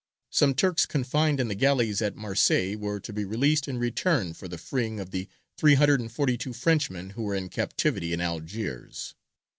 Some Turks confined in the galleys at Marseilles were to be released in return for the freeing of the three hundred and forty two Frenchmen who were in captivity in Algiers.